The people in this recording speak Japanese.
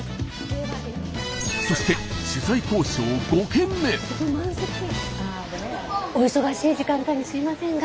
そしてお忙しい時間帯にすいませんが。